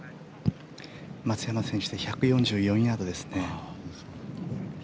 松山選手で１４４ヤードです。